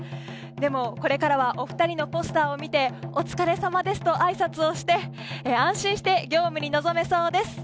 でも、これからはお二人のポスターを見てお疲れさまですとあいさつをして安心して業務に臨めそうです。